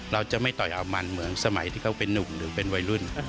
เราจะไม่ต่อยเอามันเหมือนสมัยที่เขาเป็นนุ่มหรือเป็นวัยรุ่น